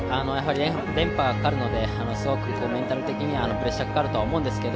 連覇がかかるのでメンタル的にはプレッシャーがかかると思うんですけど